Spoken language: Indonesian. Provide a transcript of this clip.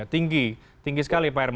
tinggi tinggi sekali pak herma